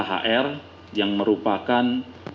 hr yang merupakan